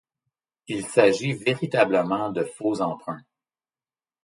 Il s'agit véritablement de faux emprunts.